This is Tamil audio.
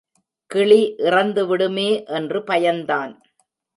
கிளி இறந்துவிடுமே என்று பயந்தான்.